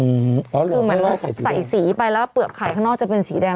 คือเหมือนเราใส่สีไปแล้วเปลือกไข่ข้างนอกจะเป็นสีแดง